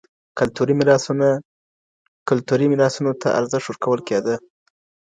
کلتوري میراثونو ته ارزښت ورکول کیده.